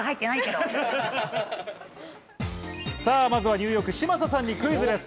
ニューヨーク・嶋佐さんにクイズです。